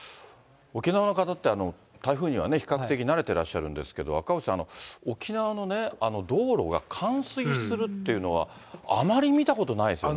沖縄の方って、台風には比較的慣れてらっしゃるんですけど、赤星さん、沖縄のね、道路が冠水するっていうのは、あまり見たことないですよね。